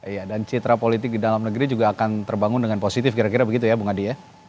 iya dan citra politik di dalam negeri juga akan terbangun dengan positif kira kira begitu ya bung adi ya